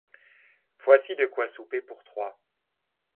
Voici de quoi souper pour trois.